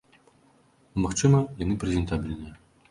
Ну, магчыма, яны прэзентабельныя.